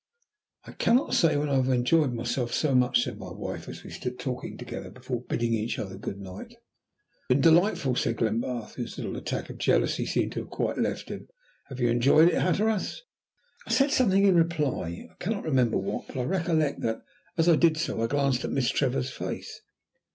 "I cannot say when I have enjoyed myself so much," said my wife, as we stood talking together before bidding each other good night. "It has been delightful," said Glenbarth, whose little attack of jealousy seemed to have quite left him. "Have you enjoyed it, Hatteras?" I said something in reply, I cannot remember what, but I recollect that, as I did so, I glanced at Miss Trevor's face.